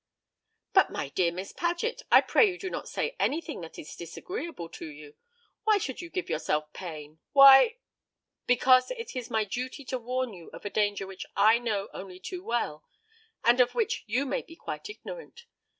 "But, my dear Miss Paget, I pray you not to say anything that is disagreeable to you. Why should you give yourself pain? why " "Because it is my duty to warn you of a danger which I know only too well, and of which you may be quite ignorant.